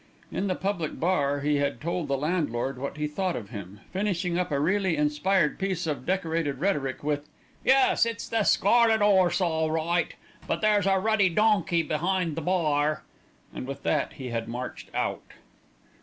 In the public bar he had told the landlord what he thought of him, finishing up a really inspired piece of decorated rhetoric with "Yus, it's The Scarlet 'Orse all right; but there's a ruddy donkey behind the bar," and with that he had marched out.